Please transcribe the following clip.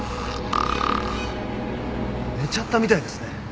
寝ちゃったみたいですね。